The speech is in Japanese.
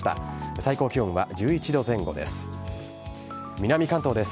最高気温は１１度前後です。